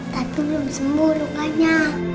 tadi belum sembuh lukanya